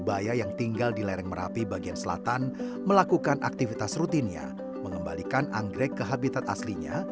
jalan yang berliku dan menanjak tak ia risaukan meski harus memikul tangga di pondaknya